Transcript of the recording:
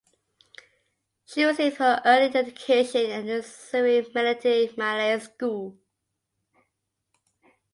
She received her early education at the Seri Menanti Malay School.